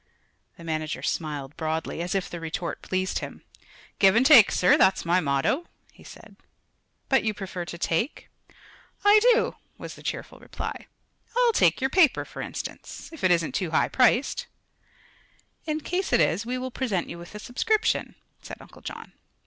The manager smiled broadly, as if the retort pleased him. "Give an' take, sir; that's my motto," he said. "But you prefer to take?" "I do," was the cheerful reply. "I'll take your paper, for instance if it isn't too high priced." "In case it is, we will present you with a subscription," said Uncle John.